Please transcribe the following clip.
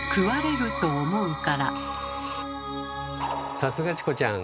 さすがチコちゃん。